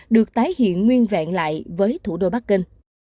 được tái hiện nguyên vẹn lại với thủ đô bắc kinh